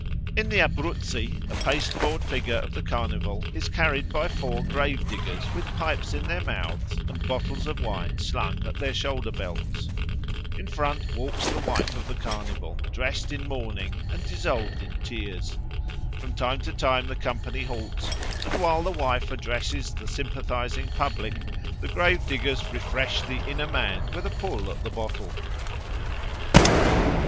In the Abruzzi a pasteboard figure of the Carnival is carried by four grave diggers with pipes in their mouths and bottles of wine slung at their shoulder belts. In front walks the wife of the Carnival, dressed in mourning and dissolved in tears. From time to time the company halts, and while the wife addresses the sympathising public, the grave diggers refresh the inner man with a pull at the bottle.